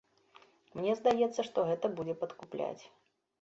Мне здаецца, што гэта будзе падкупляць.